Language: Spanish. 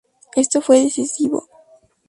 Esto fue decisivo.